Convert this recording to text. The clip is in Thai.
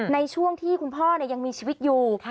ในช่วงที่คุณพ่อยังมีชีวิตอยู่